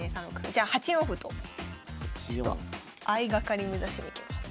じゃあ８四歩とちょっと相掛かり目指しにいきます。